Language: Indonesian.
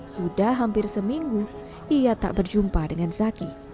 sudah hampir seminggu ia tak berjumpa dengan zaki